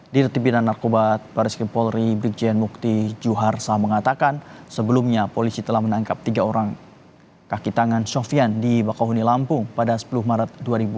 di retipinan narkobat para jokowi polri brigjen mukti juharsa mengatakan sebelumnya polisi telah menangkap tiga orang kakitangan sofian di bakauuni lampung pada sepuluh maret dua ribu dua puluh empat